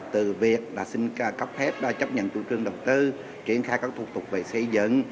từ việc xin cấp phép chấp nhận chủ trương đầu tư triển khai các thủ tục về xây dựng